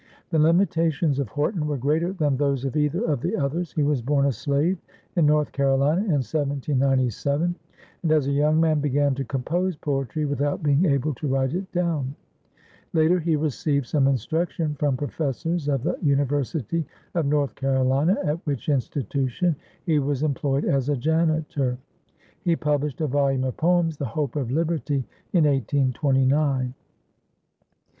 The limitations of Horton were greater than those of either of the others; he was born a slave in North Carolina in 1797, and as a young man began to compose poetry without being able to write it down. Later he received some instruction from professors of the University of North Carolina, at which institution he was employed as a janitor. He published a volume of poems, "The Hope of Liberty," in 1829. Mrs.